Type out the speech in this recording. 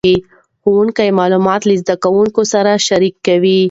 ښوونکي معلومات له زده کوونکو سره شریکوي.